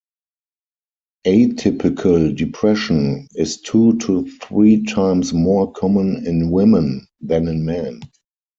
Atypical depression is two to three times more common in women than in men.